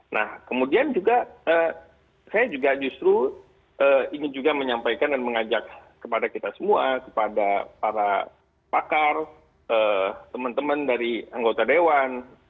nah kemudian juga saya juga justru ingin juga menyampaikan dan mengajak kepada kita semua kepada para pakar teman teman dari anggota dewan